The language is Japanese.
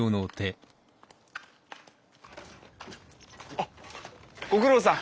あっご苦労さん。